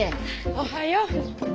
おはよう。